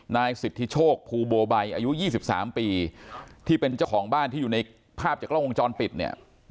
นายสิทธิโชคภูโบไบอายุ๒๓ปีที่เป็นเจ้าของบ้านที่อยู่ในภาพจากกล้องวงจรปิดเนี่ย